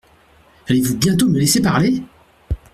Allez-vous bientôt me laisser parler ?